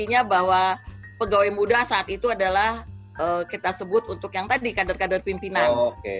artinya bahwa pegawai muda saat itu adalah kita sebut untuk yang tadi kader kader pimpinan